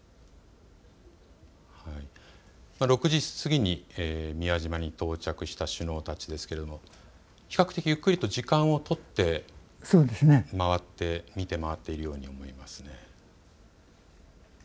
６時過ぎに宮島に到着した首脳たちですけれども比較的ゆっくりと時間を取って見て回っているように見えますね。